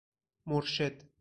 مرشد